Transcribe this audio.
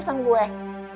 cuma bila disidiki caranya